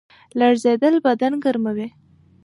لړزیدل بدن ګرموي